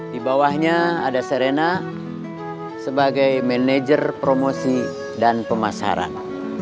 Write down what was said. di bawahnya ada serena sebagai manajer promosi dan pemasaran